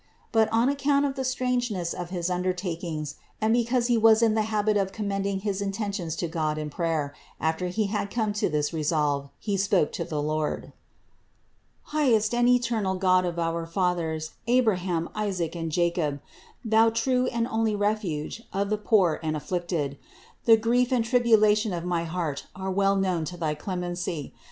But on account of the strangeness of his undertaking, and because he was in the habit of commending his intentions to God in prayer, after he had come to this resolve he spoke to the Lord: "Highest and eternal God of our fathers Abraham, Isaac and Jacob, Thou true and only refuge of the poor and afflicted, the grief and tribulation of my heart are well known to thy clemency.